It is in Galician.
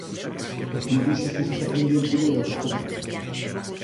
Porque me dixo que iso se aprendía en primeiro de Facenda.